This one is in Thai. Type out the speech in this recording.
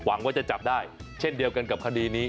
หวังว่าจะจับได้เช่นเดียวกันกับคดีนี้